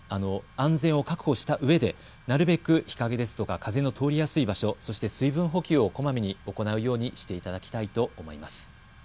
安全を確保したうえでなるべく日陰ですとか風の通りやすい場所、そして水分補給をこまめに行うようにしていただきたいと思います。